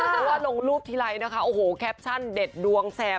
หรือว่าลงรูปที่ไลค์นะคะโอ้โหแคปชั่นเด็ดดวงแสบ